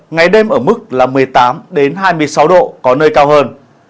ngày đêm ở mức một mươi tám hai mươi sáu độ có nơi cao hơn